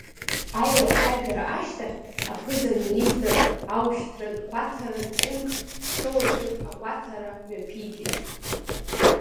Аилацәажәара ашьҭахь, аԥыза-министр аушьҭратә-гәаҭаратә пункт Ԥсоу аҿы агәаҭара мҩаԥигеит.